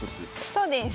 そうです。